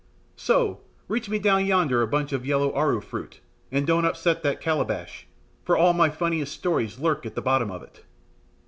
So! reach me down yonder bunch of yellow aru fruit, and don't upset that calabash, for all my funniest stories lurk at the bottom of it."